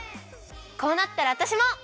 こうなったらわたしも！